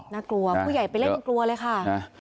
น่ากลัวผู้ใหญ่ไปเล่นยังกลัวเลยค่ะ